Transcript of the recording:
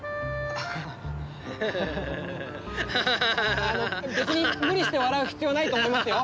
あの別に無理して笑う必要はないと思いますよ。